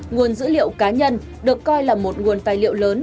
nguồn dữ liệu cá nhân được coi là một nguồn tài liệu lớn